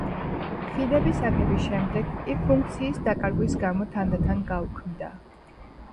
ხიდების აგების შემდეგ კი ფუნქციის დაკარგვის გამო, თანდათან გაუქმდა.